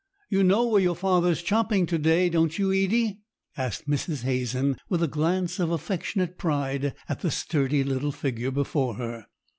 "You know where your father's chopping to day, don't you, Edie?" asked Mrs. Hazen, with a glance of affectionate pride at the sturdy little figure before her.